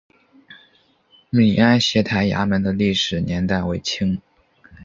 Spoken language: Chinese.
闽安协台衙门的历史年代为清。